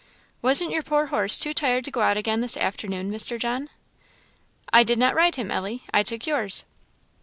"Wasn't your poor horse too tired to go out again this afternoon, Mr. John?" "I did not ride him, Ellie; I took yours."